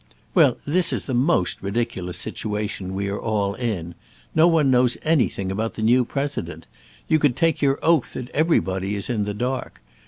"Well, this is the most ridiculous situation we are all in. No one knows anything about the new President. You could take your oath that everybody is in the dark.